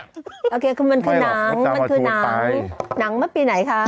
ไม่หรอกไม่จำว่าชวนไปโอเคคือมันคือนังนังมาปีไหนคะ